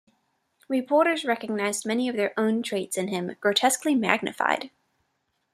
Reporters recognized many of their own traits in him, grotesquely magnified.